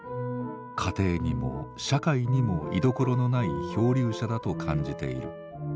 家庭にも社会にも居所のない漂流者だと感じている。